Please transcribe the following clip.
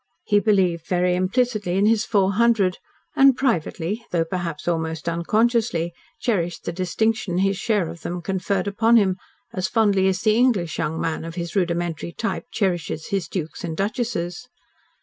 He believed very implicitly in his Four Hundred, and privately though perhaps almost unconsciously cherished the distinction his share of them conferred upon him, as fondly as the English young man of his rudimentary type cherishes his dukes and duchesses.